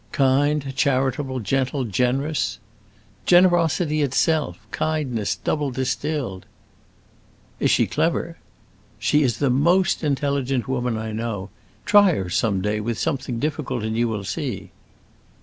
"Kind, charitable, gentle, generous?" "Generosity itself; kindness double distilled!" "Is she clever?" "She is the most intelligent woman I know. Try her, some day, with something difficult, and you will see."